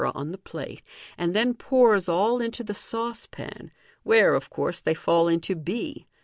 on the plate, and then pours all into the saucepan, where, of course, they fall into b.